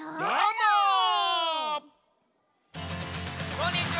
こんにちは！